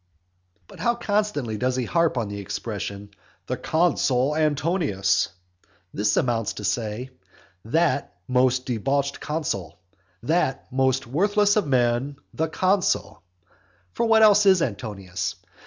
But how constantly does he harp on the expression "the consul Antonius!" This amounts to say "that most debauched consul," "that most worthless of men, the consul." For what else is Antonius?